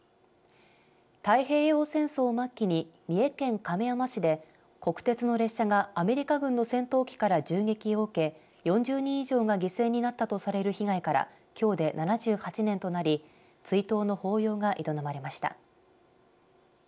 太平洋戦争末期に三重県亀山市で国鉄の列車がアメリカ軍の戦闘機から銃撃を受け４０人以上が犠牲になったとされる被害からきょうで７８年となり追悼の法要が営まれました。